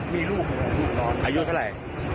มีลูกล่อนอายุเท่าไร